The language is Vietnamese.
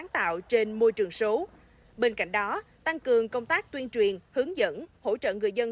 tạo trên môi trường số bên cạnh đó tăng cường công tác tuyên truyền hướng dẫn hỗ trợ người dân